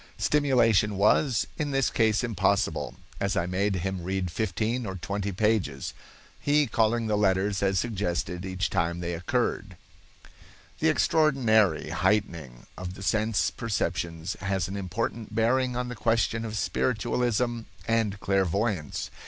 Stimulation was, in this case impossible, as I made him read fifteen or twenty pages, he calling the letters as suggested each time they occurred." The extraordinary heightening of the sense perceptions has an important bearing on the question of spiritualism and clairvoyance.